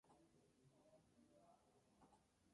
Esa misma noche, fue detenido por la Gestapo.